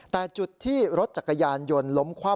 แต่จุดที่รถจักรยานยนต์ล้มคว่ำ